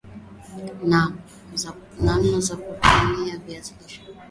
namna za kutumia viazi lishe